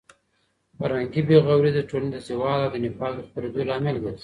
فرهنګي بې غوري د ټولنې د زوال او د نفاق د خپرېدو لامل ګرځي.